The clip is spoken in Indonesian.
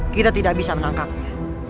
kita tidak bisa menangkapnya